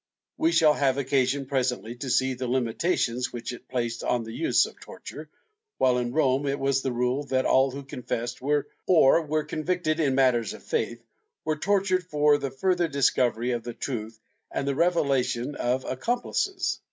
We shall have occasion presently to see the limitations which it placed on the use of torture, while in Rome it was the rule that all who confessed or were convicted in matters of faith were tortured for the further discovery of the truth and the revelation of accomplices.